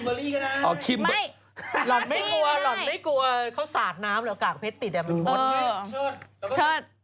แบบคิมไม่หลอดไม่กลัวหลอดไม่กลัวเขาสาดน้ำแล้วก็กากเพชรติดอ่ะมันหมด